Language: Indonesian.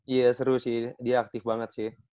iya seru sih dia aktif banget sih